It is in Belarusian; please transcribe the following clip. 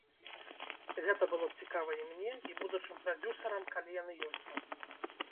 Гэта было б цікава і мне, і будучым прадзюсарам, калі яны ёсць там.